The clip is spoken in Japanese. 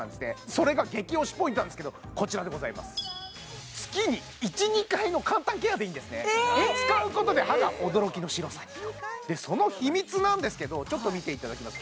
それが激推しポイントなんですけどこちらでございます月に１２回の簡単ケアでいいんですね使うことでその秘密なんですけどちょっと見ていただきます